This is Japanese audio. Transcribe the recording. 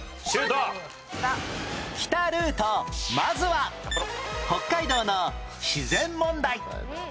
まずは北海道の自然問題